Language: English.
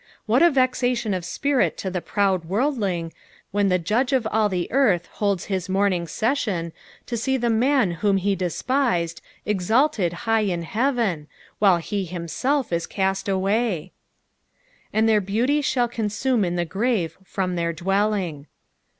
What a vexation of spirit to the proud worldling, when the Judge of ail the earth holds hia morning session, to see the man whom be despised, esalt«d high in heaven, while he himself is cast away t " Aiid theif ieautff ihall eontume in t/u grave /rom their dmelling."